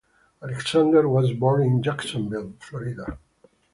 Alexander was born in Jacksonville, Florida.